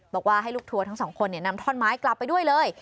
บอกว่าให้ลูกทัวร์ทั้งสองคนนำท่อนไม้กลับไปด้วยเลย